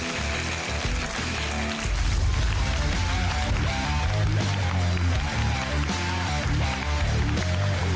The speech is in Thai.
โอ้โหมีเป็นล้านฝาใครจะเป็นผู้ชมดี